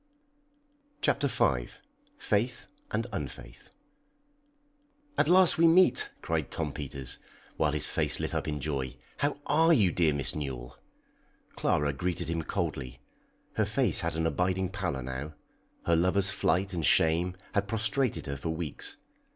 CHAPTER V. FAITH AND UNFAITH. "At last we meet!" cried Tom Peters, while his face lit up in joy. "How are you, dear Miss Newell?" Clara greeted him coldly. Her face had an abiding pallor now. Her lover's flight and shame had prostrated her for weeks.